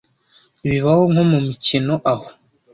Bibaho, nko mumikino aho